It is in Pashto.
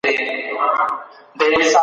ایا د کچالو پر ځای د پالک خوړل صحي دي؟